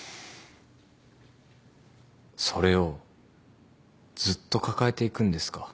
それをずっと抱えていくんですか？